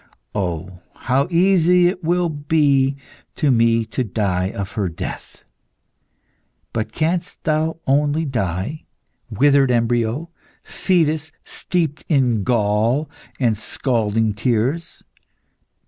Oh, how easy it will be to me to die of her death! But canst thou only die, withered embryo, fetus steeped in gall and scalding tears?